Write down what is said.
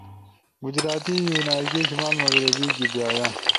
گجراتی، ویونائیکی، شمال مغری گیبایا